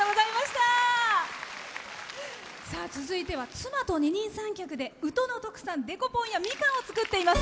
続いては妻と二人三脚で宇土の特産デコポンやみかんを作っています。